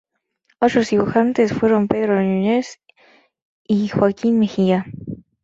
Otros dibujantes fueron Pedro Núñez y Joaquín Mejía.